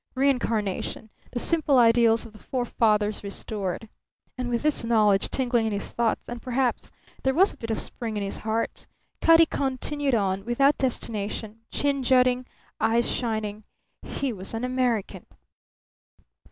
Reincarnation; the simple ideals of the forefathers restored. And with this knowledge tingling in his thoughts and perhaps there was a bit of spring in his heart Cutty continued on, without destination, chin jutting, eyes shining. He was an American!